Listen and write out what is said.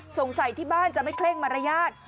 ที่บ้านจะไม่เคร่งมารยาท